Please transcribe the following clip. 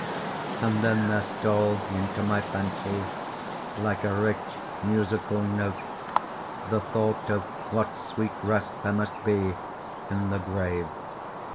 And then there stole into my fancy, like a rich musical note, the thought of what sweet rest there must be in the grave.